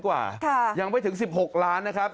กว่ายังไม่ถึง๑๖ล้านนะครับ